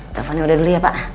teleponnya udah dulu ya pak